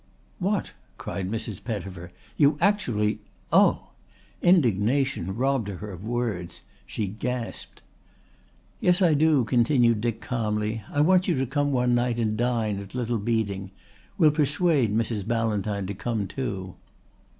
"What!" cried Mrs. Pettifer. "You actually Oh!" Indignation robbed her of words. She gasped. "Yes, I do," continued Dick calmly. "I want you to come one night and dine at Little Beeding. We'll persuade Mrs. Ballantyne to come too."